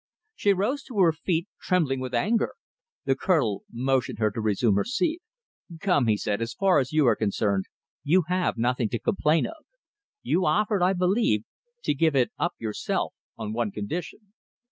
She rose to her feet, trembling with anger. The Colonel motioned her to resume her seat. "Come," he said, "so far as you are concerned, you have nothing to complain of. You offered, I believe, to give it up yourself on one condition."